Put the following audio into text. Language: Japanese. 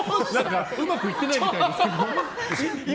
うまくいってないみたいですけど。